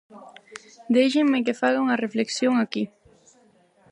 Déixenme que faga unha reflexión aquí.